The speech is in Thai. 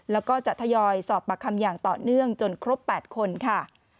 แล้วก็จะทยอยสอบปากคำอย่างต่อเนื่องจนครบ๘คนค่ะ